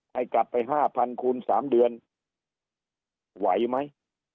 ให้กลับไป๕๐๐คูณ๓เดือนไหวไหม